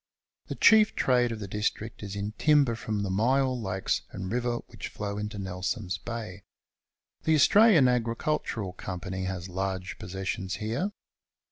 The chief trade of the district is in timber from the Myall Lakes and River which flow into Nelson's Bay. The Australian Agricultural Company has large possessions here.